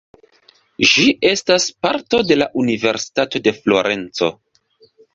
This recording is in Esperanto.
Ĝi estas parto de la Universitato de Florenco.